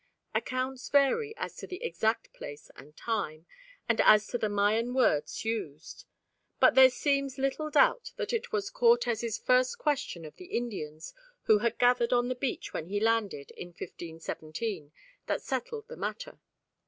Accounts vary as to the exact place and time, and as to the Mayan words used; but there seems little doubt that it was Cortes's first question of the Indians who had gathered on the beach when he landed in 1517 that settled the matter.